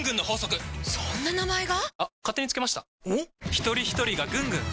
ひとりひとりがぐんぐん！